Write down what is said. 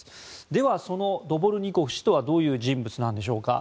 では、そのドボルニコフ氏とはどういう人物なのでしょうか。